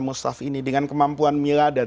mustaf ini dengan kemampuan mila dan